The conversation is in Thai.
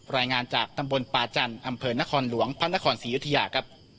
รายงานจากตำบลป่าจันทร์อำเภอนครหลวงพระนครศรียุธยาครับ